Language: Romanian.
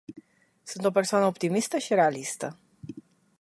Sunt o persoană optimistă și realistă.